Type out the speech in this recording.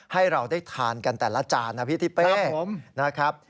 ให้เราได้ทานกันแต่ละจานนะพี่ทิเป้นะครับ